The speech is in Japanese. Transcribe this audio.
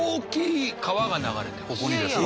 ここにですか？